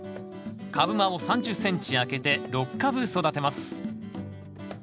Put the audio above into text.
株間を３０ｃｍ空けて６株育てます。